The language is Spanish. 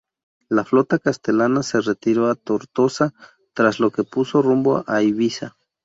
La flota castellana se retiró a Tortosa tras lo que puso rumbo a Ibiza.